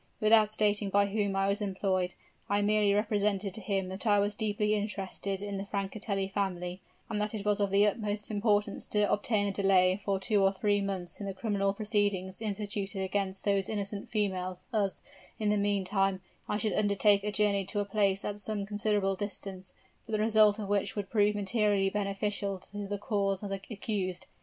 Without stating by whom I was employed, I merely represented to him that I was deeply interested in the Francatelli family, and that it was of the utmost importance to obtain a delay for two or three months in the criminal proceedings instituted against those innocent females, as, in the meantime, I should undertake a journey to a place at some considerable distance, but the result of which would prove materially beneficial to the cause of the accused.